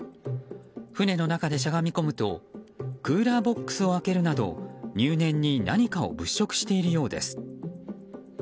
船の中でしゃがみ込むとクーラーボックスを開けるなど入念に何かを物色しているようです。